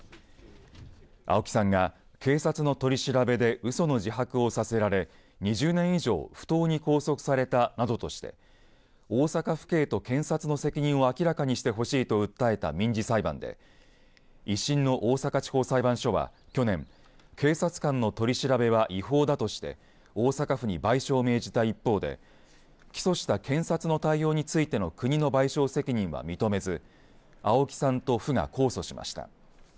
青木さんが警察の取り調べでうその自白をさせられ２０年以上不当に拘束されたなどとして大阪府警と検察の責任を明らかにしてほしいと訴えた民事裁判で１審の大阪地方裁判所は去年、警察官の取り調べは違法だとして大阪府に賠償を命じた一方で起訴した検察の対応について国の賠償責任は認めず青木さんと府が控訴しました。